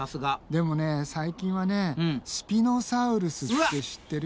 でもね最近はねスピノサウルスって知ってる？